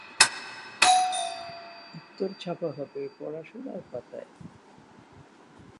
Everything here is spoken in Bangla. উত্তর ছাপা হবে পড়াশোনাপাতায়।